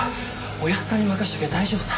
おやっさんに任せときゃ大丈夫さ。